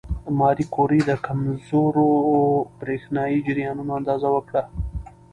ماري کوري د کمزورو برېښنايي جریانونو اندازه وکړه.